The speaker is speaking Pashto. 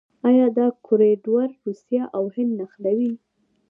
آیا دا کوریډور روسیه او هند نه نښلوي؟